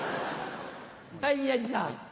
はい宮治さん。